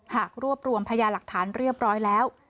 หากรวบรวมพยาหลักฐานเรียบร้อยแล้ว